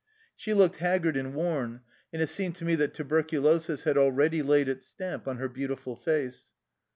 She looked haggard and worn, and it seemed to me that tuberculosis had already laid its stamp on her beautiful face.